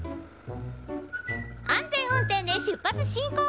安全運転で出発進行！